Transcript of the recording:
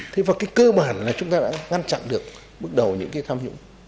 thế và cái cơ bản là chúng ta đã ngăn chặn được bước đầu những cái tham nhũng